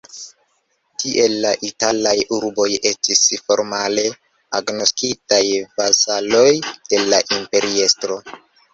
Tiel la italaj urboj estis formale agnoskitaj vasaloj de la imperiestro.